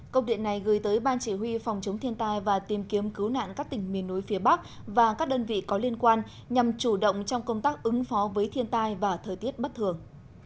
công điện này gửi tới ban chỉ huy phòng chống thiên tai và tìm kiếm cứu nạn các tỉnh miền núi phía bắc và các đơn vị có liên quan nhằm chủ động trong công tác ứng phó với thiên tai và thời tiết bất thường